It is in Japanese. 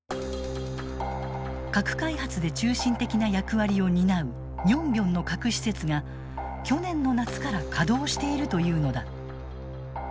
核開発で中心的な役割を担う寧辺の核施設が去年の夏から稼働しているというのだ。